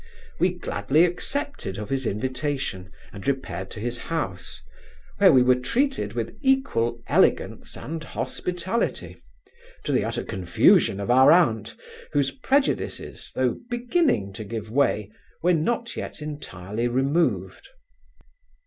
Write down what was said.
We gladly accepted, of his invitation, and repaired to his house, where we were treated with equal elegance and hospitality, to the utter confusion of our aunt, whose prejudices, though beginning to give way, were not yet entirely removed.